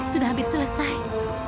sudah hampir selesai